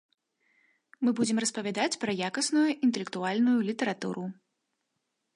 Мы будзем распавядаць пра якасную інтэлектуальную літаратуру.